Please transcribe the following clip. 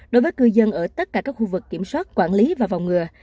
đối với cư dân ở tất cả các khu vực kiểm soát quản lý và phòng ngừa